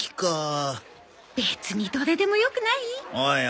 別にどれでもよくない？